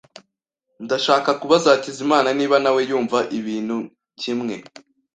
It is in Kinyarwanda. Ndashaka kubaza Hakizimana niba nawe yumva ibintu kimwe.